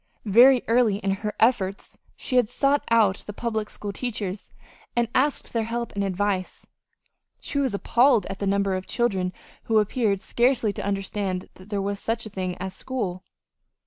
Very early in her efforts she had sought out the public school teachers, and asked their help and advice. She was appalled at the number of children who appeared scarcely to understand that there was such a thing as school.